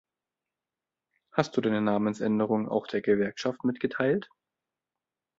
Hast du deine Namensänderung auch der Gewerkschaft mitgeteilt?